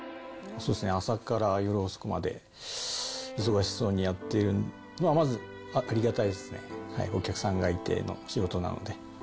そうですね、朝から夜遅くまで、忙しそうにやっているのは、まず、ありがたいですね、お客さんがいての仕事なので。